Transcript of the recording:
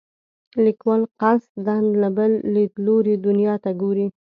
لیکوال قصدا له بل لیدلوري دنیا ته ګوري.